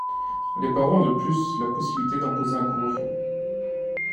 Les parents ont de plus la possibilité d'imposer un couvre-feu.